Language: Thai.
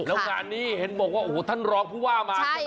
แล้วงานนี้เห็นบอกว่าโอ้โหท่านรองผู้ว่ามาใช่ไหม